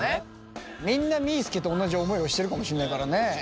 みんなみーすけと同じ思いをしてるかもしれないからね。